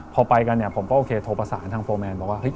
พอไปกันเนี่ยผมก็โอเคโทรประสานทางโฟร์แมนบอกว่า